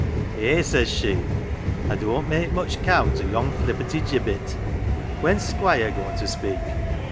"' Eh, 1 says she, ' I don't make much count o' yon flipperty gibbet. When's Squire goin' to speak